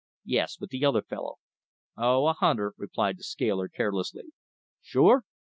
"Yes, but the other fellow." "Oh, a hunter," replied the scaler carelessly. "Sure?"